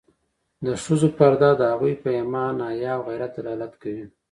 د ښځو پرده د هغوی په ایمان، حیا او غیرت دلالت کوي.